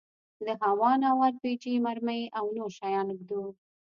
د هاوان او ار پي جي مرمۍ او نور شيان ږدو.